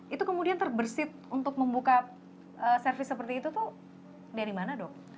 itu kemudian terbersih untuk membuka servis seperti itu tuh dari mana dok